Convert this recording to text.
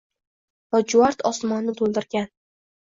Lojuvard osmonni to’ldirgan